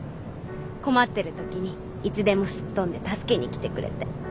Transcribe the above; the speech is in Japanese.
困ってる時にいつでもすっ飛んで助けに来てくれて。